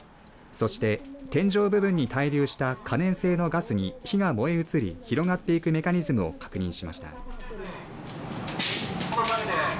そして天井部分に滞留した可燃性のガスに火が燃え移り広がっていくメカニズムを確認しました。